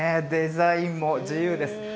デザインも自由です。